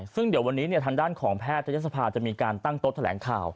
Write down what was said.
ซึ่งเดี๋ยววันนี้ทางด้านของแพทยศภาจะมีการตั้งโต๊ะแถลงข่าว